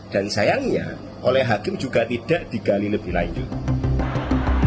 dan sayangnya oleh hakim juga tidak digali lebih lanjut